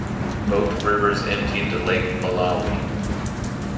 Both rivers empty into Lake Malawi.